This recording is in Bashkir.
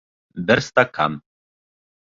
Бер стакан!